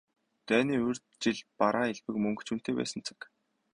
Дайны урьд жил бараа элбэг, мөнгө ч үнэтэй байсан цаг.